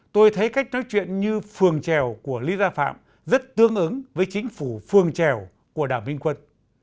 tôi thấy cách nói chuyện như phường trèo của lý gia phạm rất tương ứng với chính phủ phường trèo của đảo minh quân